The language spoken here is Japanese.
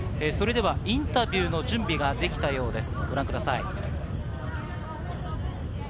インタビューの準備ができたようです。